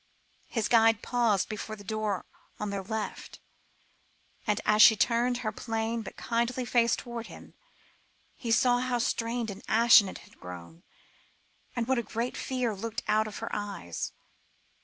His guide paused before a door on their left, and as she turned her plain but kindly face towards him, he saw how strained and ashen it had grown, and what a great fear looked out of her eyes.